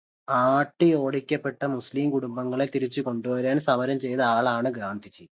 ആട്ടിയോടിക്കപ്പെട്ട മുസ്ലിം കുടുംബങ്ങളെ തിരിച്ച് കൊണ്ട് വരാന് സമരം ചെയ്ത ആളാണു ഗാന്ധി.